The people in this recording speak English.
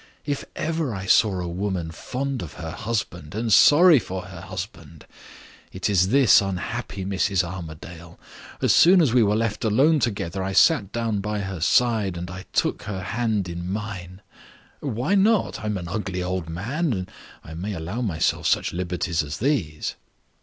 "If ever I saw a woman fond of her husband, and sorry for her husband, it is this unhappy Mrs. Armadale. As soon as we were left alone together, I sat down by her side, and I took her hand in mine. Why not? I am an ugly old man, and I may allow myself such liberties as these!"